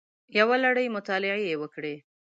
یوه لړۍ مطالعې یې وکړې